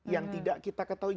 yang tidak kita ketahui